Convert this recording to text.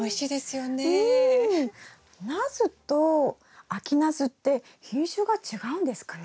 ナスと秋ナスって品種が違うんですかね？